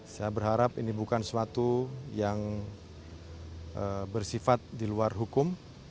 saya berharap ini bukan suatu yang bersifat di luar hukum